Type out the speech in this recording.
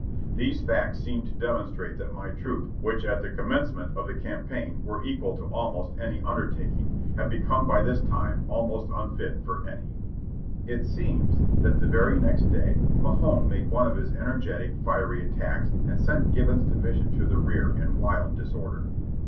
These facts seem to demonstrate that my troops which at the commencement of the campaign were equal to almost any undertaking, have become by this time almost unfit for any." (Ihid, Vol. 36, p. 434.) It seems that the very next day Mahone made one of his ener getic, fiery attacks, and sent Gibbon's division to the rear in wild disorder.